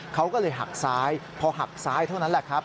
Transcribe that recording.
เขาก็เลยหักซ้ายพอหักซ้ายเท่านั้นแหละครับ